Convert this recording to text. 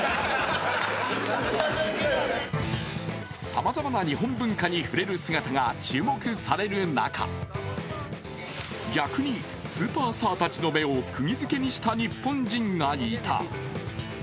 さまざまな日本文化に触れる姿が注目される中逆にスーパースターたちの目をくぎづけにした日本人がいた。